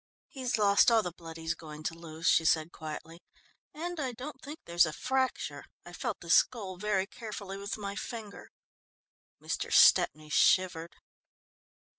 "He's lost all the blood he's going to lose," she said quietly, "and I don't think there's a fracture. I felt the skull very carefully with my finger." Mr. Stepney shivered.